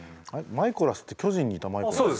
マイコラスって巨人にいたマイコラス？